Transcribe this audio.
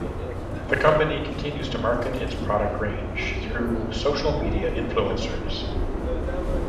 The company continues to market its product range through social media influencers.